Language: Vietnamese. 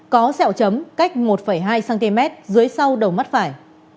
có sẹo chấm cách một hai cm dưới sau đầu mắt phải